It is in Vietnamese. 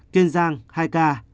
kiên giang hai ca